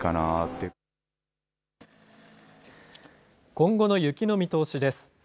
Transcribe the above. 今後の雪の見通しです。